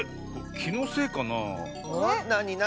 きのせいかな？